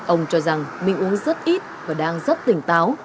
ông cho rằng mình uống rất ít và đang rất tỉnh táo